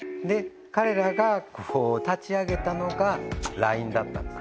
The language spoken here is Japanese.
彼らが立ち上げたのがＬＩＮＥだったんです